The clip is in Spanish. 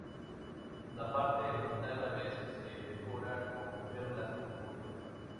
La parte frontal a veces se decora con perlas o joyas.